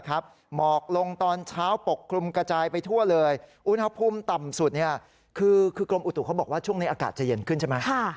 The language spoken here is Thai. อุณหภูมิต่ำสุดคือกรมอุตถุเขาบอกว่าช่วงนี้อากาศจะเย็นขึ้นใช่ไหม